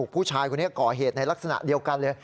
ผู้ชายคนนี้ก่อเหตุในลักษณะเดียวกันเลย